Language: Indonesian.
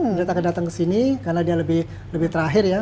mereka akan datang ke sini karena dia lebih terakhir ya